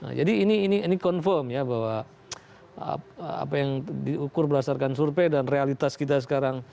nah jadi ini confirm ya bahwa apa yang diukur berdasarkan survei dan realitas kita sekarang